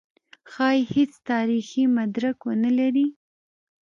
ښايي هېڅ تاریخي مدرک ونه لري.